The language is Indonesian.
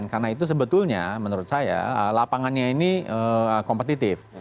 karena itu sebetulnya menurut saya lapangannya ini kompetitif